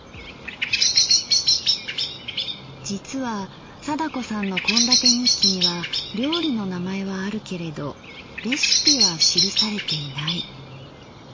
実は貞子さんの献立日記には料理の名前はあるけれどレシピは記されていない。